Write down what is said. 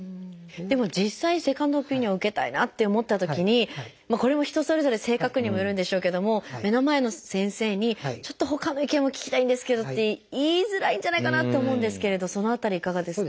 でも実際セカンドオピニオンを受けたいなって思ったときにこれも人それぞれ性格にもよるんでしょうけども目の前の先生にちょっとほかの意見も聞きたいんですけどって言いづらいんじゃないかなって思うんですけれどその辺りいかがですか？